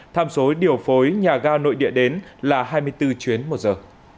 tham số điều phối nhà ga nội địa đến là hai mươi bốn chuyến một giờ